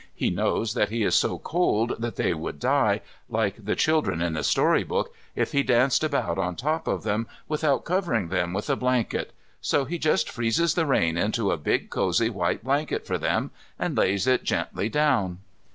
He knows that he is so cold that they would die, like the children in the story book, if he danced about on top of them, without covering them with a blanket So he just freezes the rain into a big cosy white blanket for them and lays It gently down."